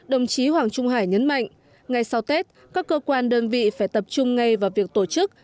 đồng chí hoàng trung hải nhấn mạnh ngay sau tết các cơ quan đơn vị phải tập trung ngay vào việc tổ chức